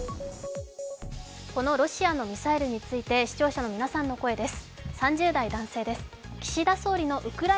このロシアのミサイルについて視聴者の皆さんの声です。